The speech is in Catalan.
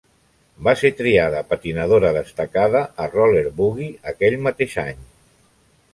Va ser triada patinadora destacada a "Roller Boogie" aquell mateix any.